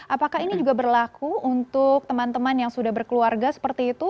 apakah ini juga berlaku untuk teman teman yang sudah berkeluarga seperti itu